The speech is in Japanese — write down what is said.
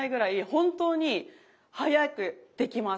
本当に速くできます。